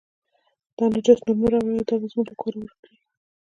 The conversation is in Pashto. دا نجس نور مه راولئ، دا به موږ له کوره ورک کړي.